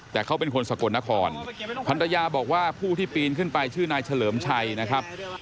แต่เขาเป็นคนสกลนครพันรยาบอกว่าผู้ที่ปีนขึ้นไปชื่อนายเฉลิมชัยนะครับ